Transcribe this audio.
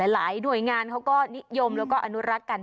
หลายหน่วยงานเขาก็นิยมแล้วก็อนุรักษ์กัน